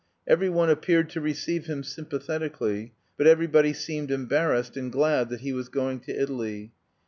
Every one appeared to receive him sympathetically, but everybody seemed embarrassed and glad that he was going to Italy.